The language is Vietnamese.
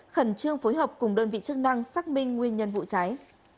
khẩn trương phối hợp cùng đơn vị chức năng xác minh nguyên nhân vụ cháy